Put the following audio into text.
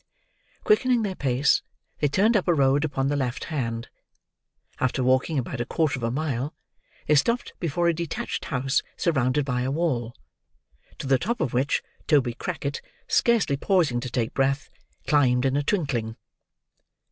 Quickening their pace, they turned up a road upon the left hand. After walking about a quarter of a mile, they stopped before a detached house surrounded by a wall: to the top of which, Toby Crackit, scarcely pausing to take breath, climbed in a twinkling.